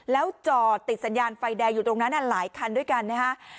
แล้วจอดติดสัญญาณไฟแดงอยู่ตรงนั้นหลายคันด้วยกันนะฮะ